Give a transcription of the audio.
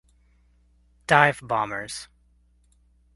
Dive bombers.